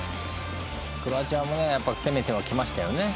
クロアチアも攻めてはきましたよね。